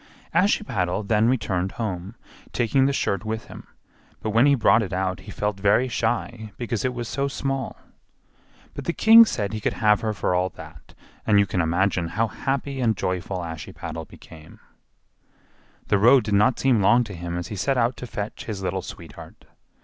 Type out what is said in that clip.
Ashiepattle then returned home, taking the shirt with him; but when he brought it out he felt very shy because it was so small. But the king said he could have her for all that, and you can imagine how happy and joyful Ashiepattle became. The road did not seem long to him as he set out to fetch his little sweetheart.